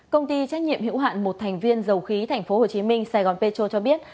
công ty trách nhiệm hữu hạn một thành viên dầu khí tp hcm sài gòn petro cho biết